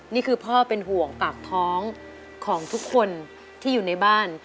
นี่คือพ่อเป็นห่วงปากท้องของทุกคนที่อยู่ในบ้าน